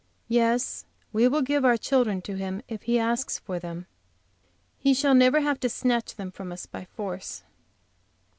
Yes, we will give our children to Him if he asks for them. He shall never have to snatch them from us by force.